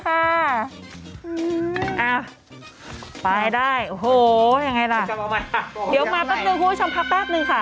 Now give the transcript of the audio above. อ่ะไปได้โอ้โหยังไงล่ะเดี๋ยวมาแป๊บนึงคุณผู้ชมพักแป๊บนึงค่ะ